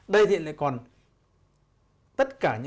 đây thì lại còn